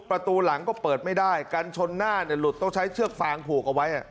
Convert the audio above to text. ประตูหลังก็เปิดไม่ได้กันชนหน้าหลุดต้องใช้เชือกฟางผูกเอาไว้